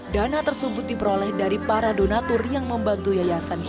dana tersebut diperoleh dari para donatur yang membantu yayasan ini